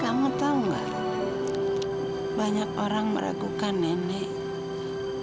kamu tahu nggak banyak orang meragukan nenek